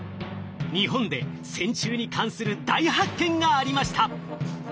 日本で線虫に関する大発見がありました。